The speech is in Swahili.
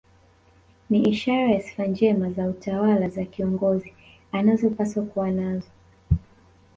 Ni ishara ya sifa njema za utawala za kiongozi anazopaswa kuwa nazo